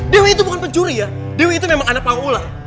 dewi itu bukan pencuri ya dewi itu memang anak pang ular